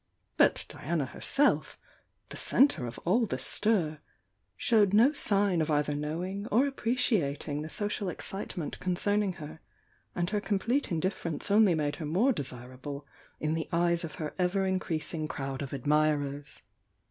But Diana herself, the centre of all the stir, showed no sign of either knowing or appreciating the social excitement concerning her, and her complete indifference only made her more desirable in the eyes of her ever increasing crowd of admirers.